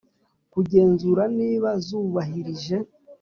kugenzura niba zubahirije